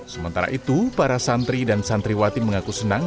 sementara itu para santri dan santriwati mengaku senang